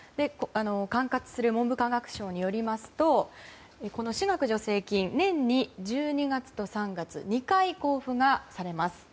管轄する文部科学省によりますと私学助成金、年に１２月と３月２回交付がされます。